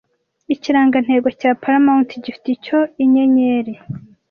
Ikirangantego cya Paramount gifite icyo Inyenyeri